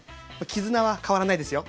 絆は変わらないですよ。